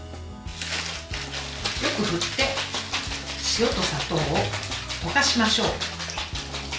よく振って塩と砂糖を溶かしましょう。